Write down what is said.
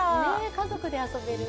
家族で遊べる。